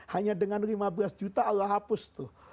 hanya dengan lima belas juta allah hapus tuh